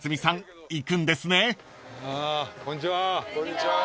こんにちは。